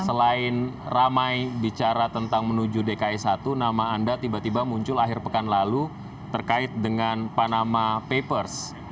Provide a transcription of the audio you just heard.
selain ramai bicara tentang menuju dki satu nama anda tiba tiba muncul akhir pekan lalu terkait dengan panama papers